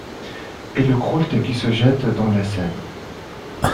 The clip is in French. Et le Croult, qui se jette dans la Seine.